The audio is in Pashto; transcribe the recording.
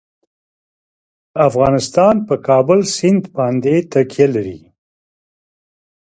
افغانستان په د کابل سیند باندې تکیه لري.